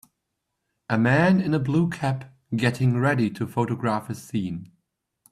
A man in a blue cap getting ready to photograph a scene.